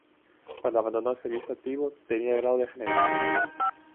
Cuando abandonó el servicio activo, tenía el grado de general.